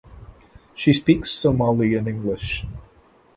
She speaks Somali and English.